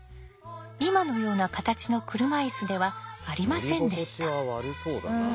今のような形の車いすではありませんでした。